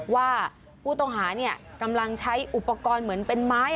ว่าผู้ต้องหากำลังใช้อุปกรณ์เหมือนเป็นไม้